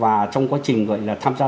và trong quá trình gọi là tham gia